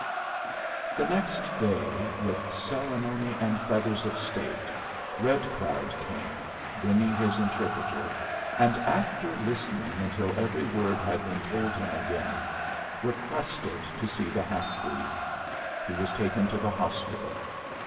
The next day with ceremony and feathers of state, Red Cloud came, bringing his interpreter, and after listening until every word had been told him again, requested to see the half breed. He was taken to the hospital.